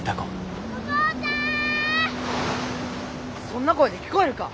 そんな声で聞こえるか！